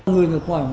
người người khoảng